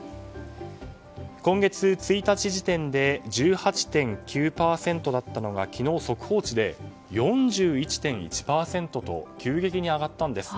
今月１日時点で１８．９％だったのが昨日速報値で４１．１％と急激に上がったんです。